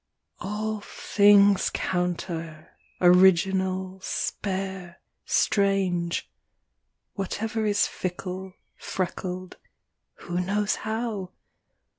All things counter, original, spare, strange; Whatever is fickle, freckled (who knows how?)